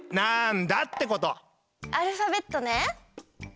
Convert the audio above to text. アルファベットね。